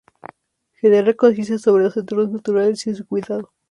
Generar conciencia sobre los entornos naturales y su cuidado.